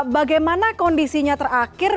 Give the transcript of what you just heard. bagaimana kondisinya terakhir